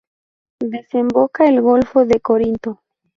Desemboca el golfo de Corinto.